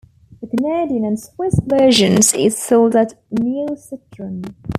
The Canadian and Swiss version is sold as NeoCitran.